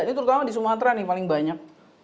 ini terutama di sumatera nih paling banyak